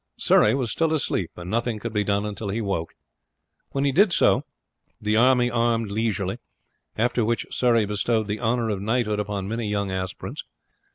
Surrey was still asleep, and nothing could be done until he awoke; when he did so the army armed leisurely, after which Surrey bestowed the honour of knighthood upon many young aspirants.